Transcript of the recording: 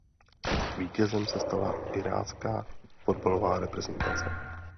Vítězem se stala irácká fotbalová reprezentace.